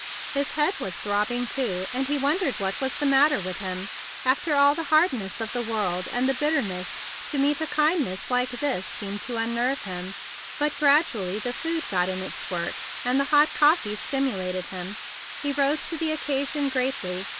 His head was throbbing too, and he wondered what was the matter 52 THE BIG BLUE SOLDIER with him. After all the harshness of the world, and the bitterness, to meet a kindness like this seemed to unnerve him. But gradually the food got in its work, and the hot coffee stimulated him. He rose to the occasion greatly.